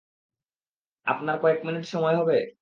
আপনার কয়েক মিনিট সময় হবে?